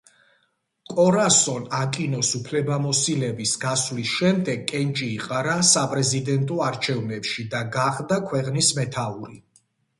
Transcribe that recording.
კორასონ აკინოს უფლებამოსილების გასვლის შემდეგ კენჭი იყარა საპრეზიდენტო არჩევნებში და გახდა ქვეყნის მეთაური.